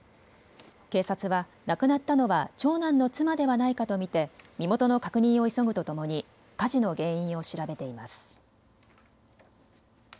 警察は亡くなったのは長男の妻ではないかと見て身元の確認を急ぐとともに火事の原因を調べています。